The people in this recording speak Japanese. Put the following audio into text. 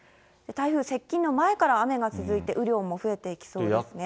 台風接近の前から雨が続いて、雨量も増えていきそうですね。